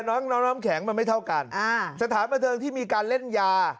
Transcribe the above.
น้องน้องน้ำแข็งมันไม่เท่ากันอ่าสถานบันเทิงที่มีการเล่นยา